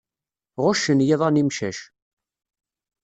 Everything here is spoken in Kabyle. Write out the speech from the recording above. Ɣuccen yiḍan imcac.